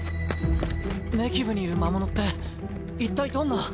メキブにいる魔物って一体どんな？